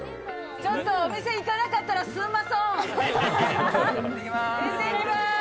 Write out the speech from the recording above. ちょっとお店行かなかったら行ってきます。